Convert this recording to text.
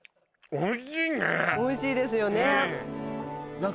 おいしいですよねうん！